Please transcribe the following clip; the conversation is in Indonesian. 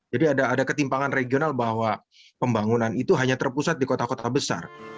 jadi ada ketimpangan regional bahwa pembangunan itu hanya terpusat di kota kota besar